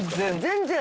全然。